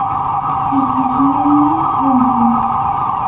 kikishniimi humpin.